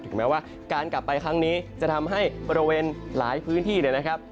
แม้ว่าการกลับไปครั้งนี้จะทำให้บริเวณหลายพื้นที่เลยนะครับ